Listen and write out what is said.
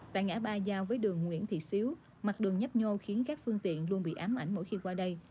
tại ngã ba giao với đường nguyễn thị xíu mặt đường nhấp nhô khiến các phương tiện luôn bị ám ảnh mỗi khi qua đây